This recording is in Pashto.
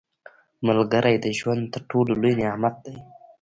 • ملګری د ژوند تر ټولو لوی نعمت دی.